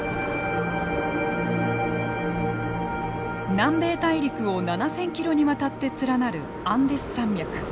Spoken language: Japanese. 南米大陸を７，０００キロにわたって連なるアンデス山脈。